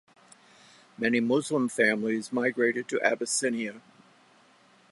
Many Muslim families migrated to Abyssinia.